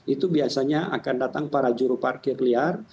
itu biasanya akan datang para juru parkir liar